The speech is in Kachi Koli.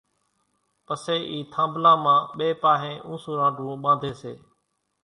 پسي اِي ٿانڀلان مان ٻئي پاۿي اُونسون رانڍوئون ٻانڌي سي